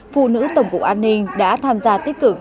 phụ nữ tổng cục an ninh đã tham gia tích cực